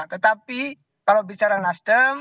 tetapi kalau bicara nasdem bicara pkb ya kelihatannya ya dipercaya